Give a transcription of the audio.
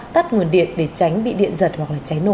tắt nguồn điện để tránh bị điện giật hoặc là cháy nổ